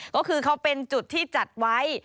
ก็คือเขาเป็นจุดที่จัดไว้